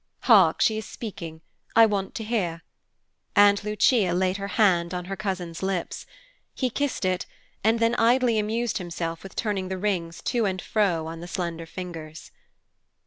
"Hark, she is speaking; I want to hear," and Lucia laid her hand on her cousin's lips. He kissed it, and then idly amused himself with turning the rings to and fro on the slender fingers.